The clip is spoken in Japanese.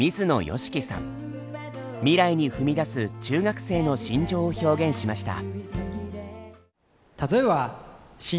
未来に踏み出す中学生の心情を表現しました。